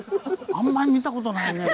あんまり見た事ないね。